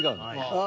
ああ。